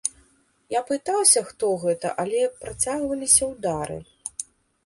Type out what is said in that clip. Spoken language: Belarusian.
Я пытаўся, хто гэта, але працягваліся ўдары.